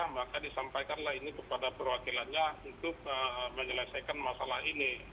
maka disampaikanlah ini kepada perwakilannya untuk menyelesaikan masalah ini